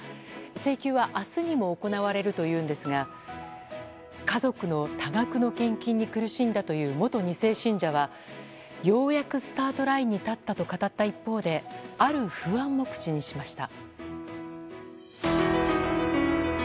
請求は明日にも行われるというんですが家族の多額の献金に苦しんだという元２世信者はようやくスタートラインに立ったと語った一方である不安も口にしました。